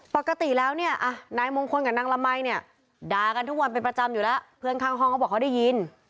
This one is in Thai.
อยู่แล้วเพื่อนข้างห้องเขาบอกว่าเขาได้ยิน